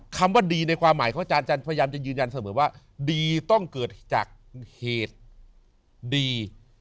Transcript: คำว่าดีในความหมายของอาจารย์พยายามจะยืนยันเสมอว่าดีต้องเกิดจากเหตุดี